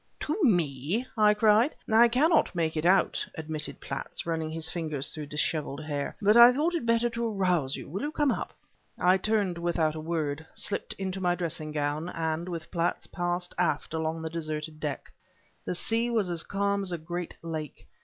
"To me!" I cried. "I cannot make it out," admitted Platts, running his fingers through disheveled hair, "but I thought it better to arouse you. Will you come up?" I turned without a word, slipped into my dressing gown, and with Platts passed aft along the deserted deck. The sea was as calm as a great lake.